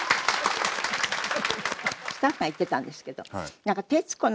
スタッフが言ってたんですけど。